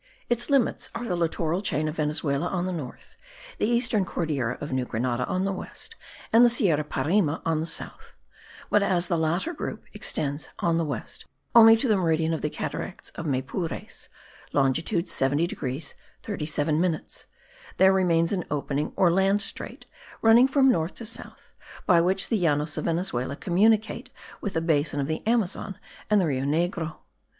Its limits are the littoral chain of Venezuela on the north, the eastern Cordillera of New Grenada on the west, and the Sierra Parime on the south; but as the latter group extends on the west only to the meridian of the cataracts of Maypures (longitude 70 degrees 37 minutes), there remains an opening or land strait, running from north to south, by which the Llanos of Venezuela communicate with the basin of the Amazon and the Rio Negro.